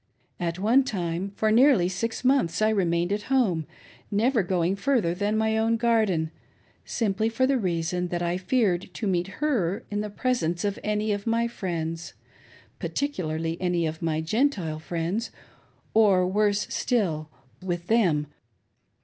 At one time, for nearly six months I remained at home, never going further than my own garden, — simply for the reason that I feared to meet /ter in the presence of any of my friends — particularly any of my Gentile friends ; or worse still, with /lim.